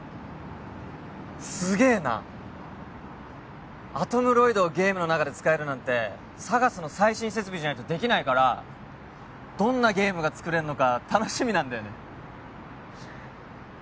すげえなアトムロイドをゲームの中で使えるなんてＳＡＧＡＳの最新設備じゃないとできないからどんなゲームが作れんのか楽しみなんだよね